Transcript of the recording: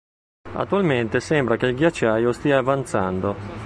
Attualmente sembra che il ghiacciaio stia avanzando.